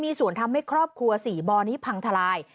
มีส่วนทำให้ครอบครัว๔บ่อนี้พังทลาย